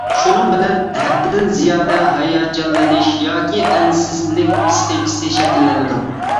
شۇنىڭ بىلەن ھەددىدىن زىيادە ھاياجانلىنىش ياكى ئەنسىزلىك پىسخىكىسى شەكىللىنىدۇ.